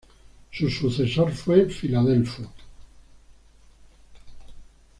Su sucesor fue Filadelfo.